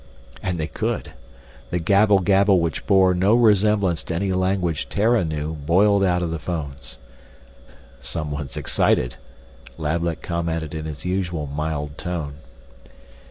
And they could. The gabble gabble which bore no resemblance to any language Terra knew boiled out of the phones. "Someone's excited," Lablet commented in his usual mild tone.